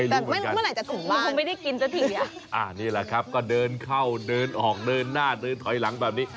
ไม่รู้เหมือนกันอ่านี่แหละครับก็เดินเข้าเดินออกเดินหน้าเดินถอยหลังแบบนี้